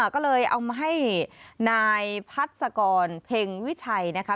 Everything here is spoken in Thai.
ก็เลยเอามาให้นายพัศกรเพ็งวิชัยนะคะ